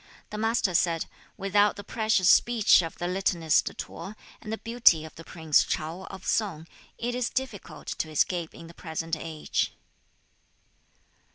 The Master said, 'Without the specious speech of the litanist T'o and the beauty of the prince Chao of Sung, it is difficult to escape in the present age.'